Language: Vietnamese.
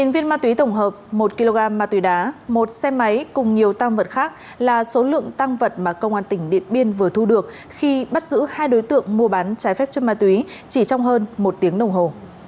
một mươi viên ma túy tổng hợp một kg ma túy đá một xe máy cùng nhiều tăng vật khác là số lượng tăng vật mà công an tỉnh điện biên vừa thu được khi bắt giữ hai đối tượng mua bán trái phép chất ma túy chỉ trong hơn một tiếng đồng hồ